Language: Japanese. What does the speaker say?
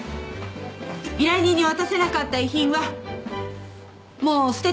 依頼人に渡せなかった遺品はもう捨てて。